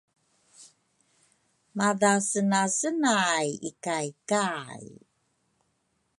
madha senasenay ikay kay.